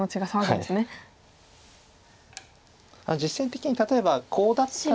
実戦的に例えばコウだったら。